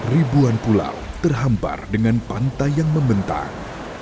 ribuan pulau terhambar dengan pantai yang membentang